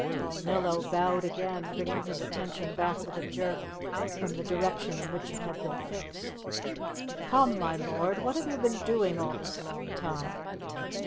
Balnillo bowed again, bringing his attention back with a jerk from the direction in which it had been fixed. "Come, my lord, what have you been doing all this long time?"